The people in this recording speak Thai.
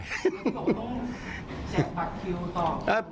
ก็คือบอกว่าต้องแชกปากคิวต่อ